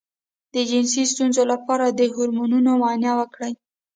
د جنسي ستونزې لپاره د هورمونونو معاینه وکړئ